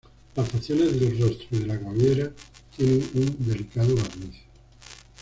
Las facciones del rostro y de la cabellera tienen un delicado barniz.